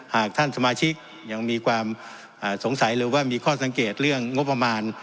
หากท่านสมาชิกยังมีความสงสัยหรือว่ามีข้อสังเกตเรื่องงบประมาณ